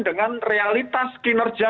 dengan realitas kinerja